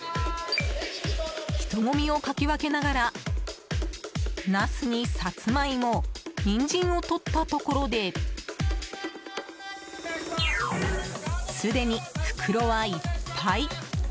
人混みをかき分けながらナスにサツマイモニンジンを取ったところですでに袋はいっぱい。